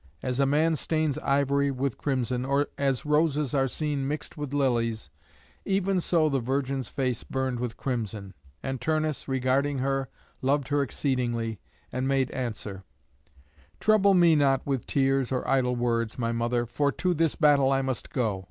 As a man stains ivory with crimson, or as roses are seen mixed with lilies, even so the virgin's face burned with crimson. And Turnus, regarding her, loved her exceedingly, and made answer: "Trouble me not with tears or idle words, my mother, for to this battle I must go.